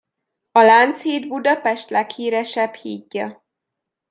A Lánchíd Budapest leghíresebb hídja.